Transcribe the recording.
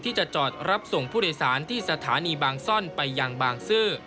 ที่จะจอดรับส่งผู้โดยสารที่สถานีบางซ่อนไปยังบางซื่อ